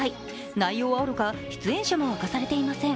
内容はおろか出演者も明かされていません。